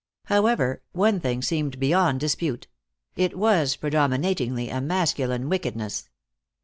However, one thing seemed beyond dispute; it was predominatingly a masculine wickedness.